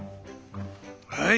はい。